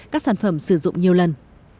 các sản phẩm sử dụng nhiều lần